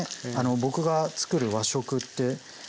僕が作る和食って